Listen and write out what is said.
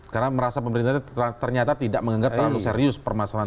karena merasa pemerintah ini ternyata tidak menganggap terlalu serius permasalahan ini